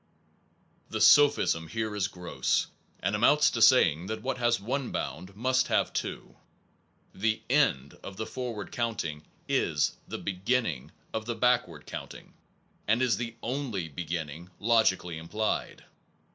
The sophism here is gross, and amounts to saying that w r hat has one bound must have two. The end of the forward counting is the beginning of the backward counting, and is the only beginning logically implied.